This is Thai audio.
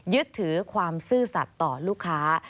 ยึดถือความซื่อสัตว์ต่อลูกค้า